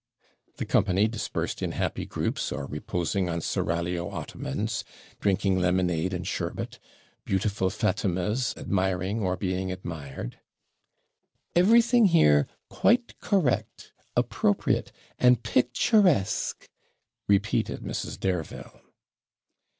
The company, dispersed in happy groups, or reposing on seraglio ottomans, drinking lemonade and sherbet, beautiful Fatimas admiring, or being admired 'Everything here quite correct, appropriate, and picturesque,' repeated Mrs. Dareville.